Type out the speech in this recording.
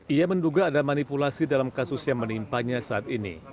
ia menduga ada manipulasi dalam kasus yang menimpanya saat ini